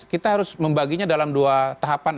kita harus membaginya dalam dua tahapan